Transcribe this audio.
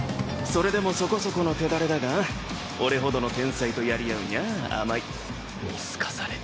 それでもそこそこの手だれだが俺ほどの天才とやり合うにゃあ甘い。